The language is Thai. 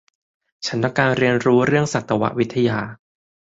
ฉันต้องการเรียนรู้เรื่องสัตววิทยา